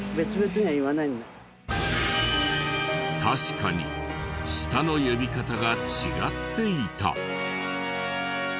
確かに舌の呼び方が違っていた。